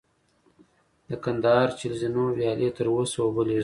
د کندهار چل زینو ویالې تر اوسه اوبه لېږدوي